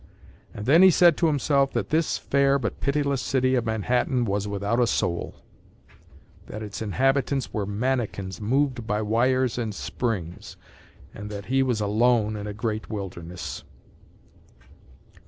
And then he said to himself that this fair but pitiless city of Manhattan was without a soul; that its inhabitants were manikins moved by wires and springs, and that he was alone in a great wilderness.